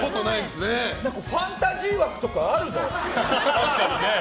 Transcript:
ファンタジー枠とかあるの？